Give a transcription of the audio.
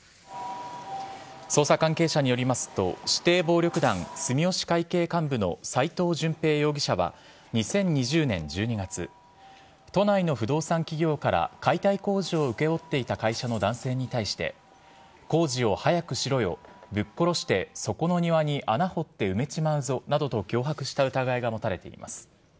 捜査関係者によりますと、指定暴力団住吉会系幹部の斉藤順平容疑者は２０２０年１２月、都内の不動産企業から、解体工事を請け負っていた会社の男性に対して、工事を早くしろよ、ぶっ殺してそこの庭に穴掘って埋めちまうぞなどと脅迫した疑いが持たれています。